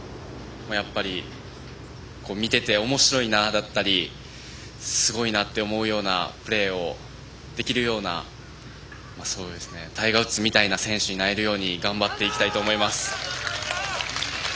見ていておもしろいなだったりすごいなって思うようなプレーをできるようなタイガー・ウッズみたいな選手になれるように頑張っていきたいと思います。